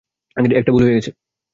একটা ভুল হয়ে গেছে।